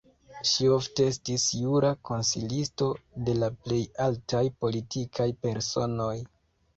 Ŝi ofte estis jura konsilisto de la plej altaj politikaj personoj.